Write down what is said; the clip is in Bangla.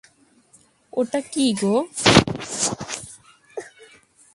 ওটা কী গো?